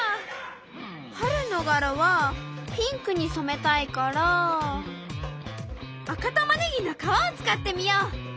春の柄はピンクにそめたいから赤タマネギの皮を使ってみよう。